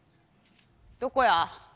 どこや？